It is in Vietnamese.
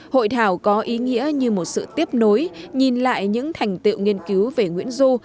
hội thảo có ý nghĩa như một sự tiếp nối nhìn lại những thành tiệu nghiên cứu về nguyễn du